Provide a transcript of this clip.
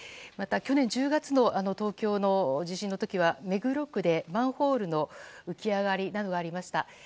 また、去年１０月の東京の地震の時は目黒区でマンホールの浮き上がりなどがありました。